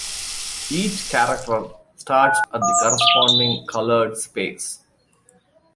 Each character starts at the corresponding coloured space.